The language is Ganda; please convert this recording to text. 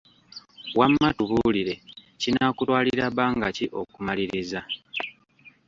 Wamma tubuulire, kinaakutwalira bbanga ki okumaliriza?